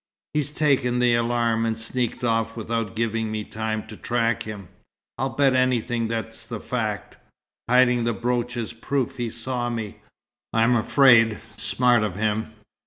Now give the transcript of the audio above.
"He's taken the alarm, and sneaked off without giving me time to track him. I'll bet anything that's the fact. Hiding the brooch is a proof he saw me, I'm afraid. Smart of him!